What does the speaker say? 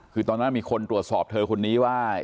คือตอนนั้นมีคนตรวจสอบเธอคนนี้ว่า